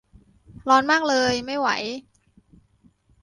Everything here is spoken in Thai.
ร้อนมากเลย ไม่ไหว